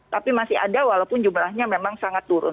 tapi masih ada walaupun jumlahnya memang sangat turun